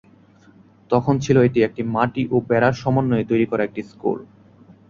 তখন এটি ছিল একটি মাটি ও বেড়ার সমন্বয়ে তৈরি করা একটি স্কুল।